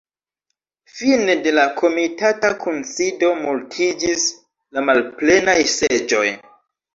Fine de la komitata kunsido multiĝis la malplenaj seĝoj.